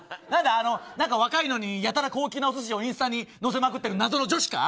何か若いのにやたら高級なお寿司をインスタに載せまくってる謎の女子か。